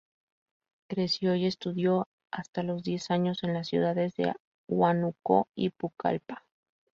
Creció y estudió hasta los diez años en las ciudades de Huánuco y Pucallpa.